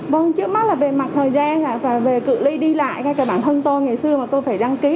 vâng trước mắt là về mặt thời gian và về cự lý đi lại cả bản thân tôi ngày xưa mà tôi phải đăng ký